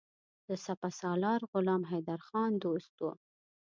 د سپه سالار غلام حیدرخان دوست وو.